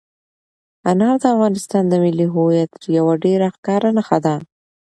انار د افغانستان د ملي هویت یوه ډېره ښکاره نښه ده.